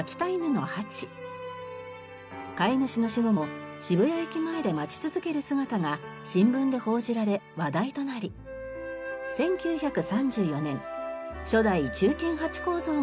飼い主の死後も渋谷駅前で待ち続ける姿が新聞で報じられ話題となり１９３４年初代忠犬ハチ公像が建てられました。